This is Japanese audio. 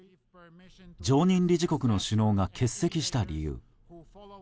常任理事国の首脳が欠席した理由。